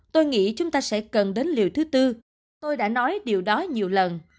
tôi nghĩ chúng ta sẽ cần đến liều thứ tư tôi đã nói điều đó nhiều lần